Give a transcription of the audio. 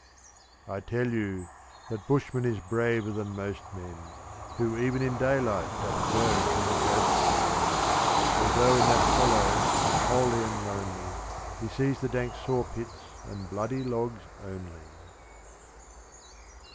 I tell you that bushman is braver than most men Who even in daylight doth go through the Ghost Glen, Although in that hollow, unholy and lonely, He sees the dank sawpits and bloody logs only.